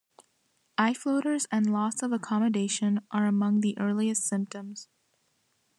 Eye floaters and loss of accommodation are among the earliest symptoms.